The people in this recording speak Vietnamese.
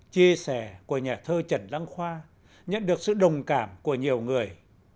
chia sẻ của nhà thơ trần đăng khoa nhận được sự đồng cảm của nhiều người